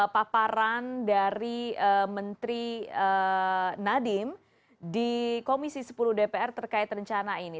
paparan dari menteri nadiem di komisi sepuluh dpr terkait rencana ini